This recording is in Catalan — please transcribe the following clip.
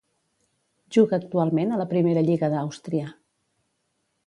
Juga actualment a la Primera Lliga d'Àustria.